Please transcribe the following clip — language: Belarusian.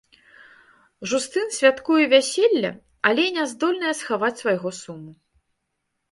Жустын святкуе вяселле, але не здольная схаваць свайго суму.